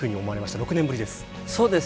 ６年ぶりです。